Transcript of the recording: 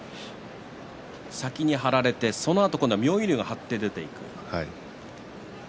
先に張られて、そのあと妙義龍が張って出ていく。